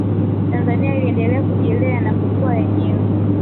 tanzania iliendelea kujilea na kukua yenyewe